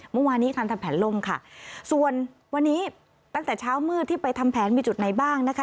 เมื่อวานนี้การทำแผนล่มค่ะส่วนวันนี้ตั้งแต่เช้ามืดที่ไปทำแผนมีจุดไหนบ้างนะคะ